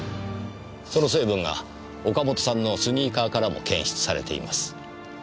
その成分が岡本さんのスニーカーからも検出されています。